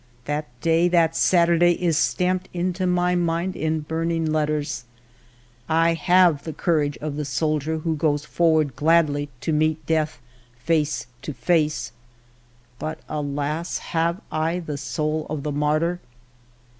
That day, that Saturday, is stamped into my mind in burn 6o FIVE YEARS OF MY LIFE ing letters. I have the courage of the soldier who goes forward gladly to meet death face to face ; but, alas ! have I the soul of the martyr